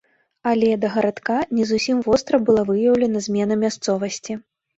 Але да гарадка не зусім востра была выяўлена змена мясцовасці.